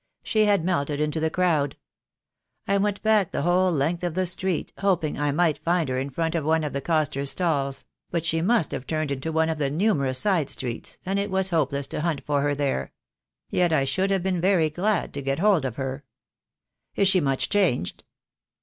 She had melted into the THE. DAY WILL COME. 20J crowd. I went back the whole length of the street, hoping I might find her in front of one of the costers' stalls; but she must have turned into one of the numerous side streets, and it was hopeless to hunt for her there. Yet I should have been very glad to get hold of her."' "Is she much changed?"